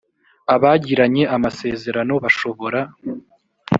abagiranye amasezerano bashobora